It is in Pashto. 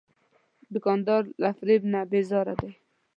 دوکاندار له فریب نه بیزاره دی.